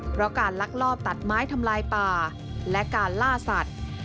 เพราะการลักลอบตัดไม้ทำลายป่าและการล่าสัตว์